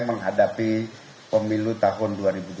menghadapi pemilu tahun dua ribu dua puluh